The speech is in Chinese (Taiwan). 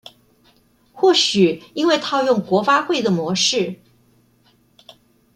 或許因為套用國發會的模式